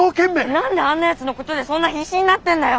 何であんなやつのことでそんな必死になってんだよ！